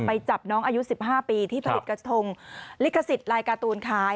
จับน้องอายุ๑๕ปีที่ผลิตกระทงลิขสิทธิ์ลายการ์ตูนขาย